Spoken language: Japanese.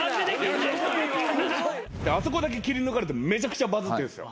あそこだけ切り抜かれてめちゃくちゃバズってる。